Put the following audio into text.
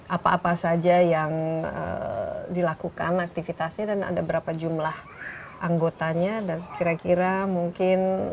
apa apa saja yang dilakukan aktivitasnya dan ada berapa jumlah anggotanya dan kira kira mungkin